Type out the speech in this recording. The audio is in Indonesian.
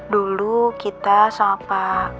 dulu kita sama pak